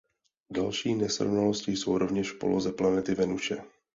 Další nesrovnalosti jsou rovněž v poloze planety Venuše.